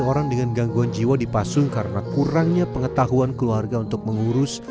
orang dengan gangguan jiwa dipasung karena kurangnya pengetahuan keluarga untuk mengurus